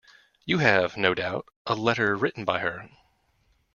You have, no doubt, a letter written by her?